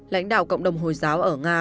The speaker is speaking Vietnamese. lãnh đạo cộng đồng hồi giáo ở nga